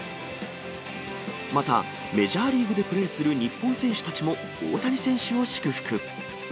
またメジャーリーグでプレーする日本選手たちも大谷選手を祝福。